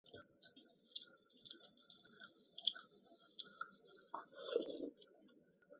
该运动与法国象征主义和英国唯美主义相互影响。